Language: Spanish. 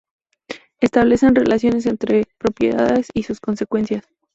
Establecen relaciones entre propiedades y sus consecuencias.